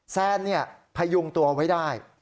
แซนพยุงตัวไว้ได้